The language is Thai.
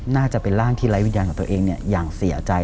น่าจะเป็นร่างที่ไร้วิญญาณของตัวเองอย่างเสียใจ